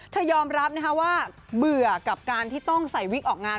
ยอมรับนะคะว่าเบื่อกับการที่ต้องใส่วิกออกงาน